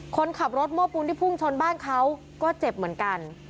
คนขับรถโม้ปูนที่พุ่งชนบ้านเขาก็เจ็บเหมือนกัน